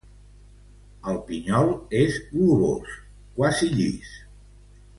El pinyol és globós, quasi llis.